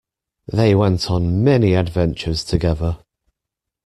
They went on many adventures together.